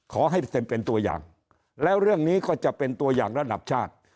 ขอให้เป็นตัวอย่างแล้วเรื่องนี้ก็จะเป็นตัวอย่างระดับชาติ